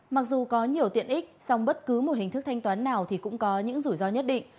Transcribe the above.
mặc dù có nhiều tiện ích song bất cứ một hình thức thanh toán nào thì cũng có những rủi ro nhất định